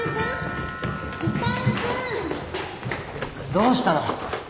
どうしたの？